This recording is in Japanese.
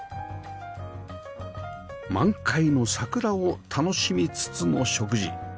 満開の桜を楽しみつつの食事